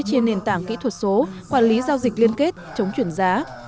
trên nền tảng kỹ thuật số quản lý giao dịch liên kết chống chuyển giá